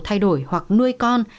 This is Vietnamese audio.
thay đổi hoặc nuôi con